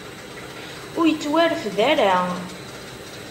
Ur yettwarfed ara.